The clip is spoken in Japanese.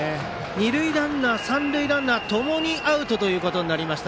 二塁ランナーと三塁ランナーともにアウトとなりました。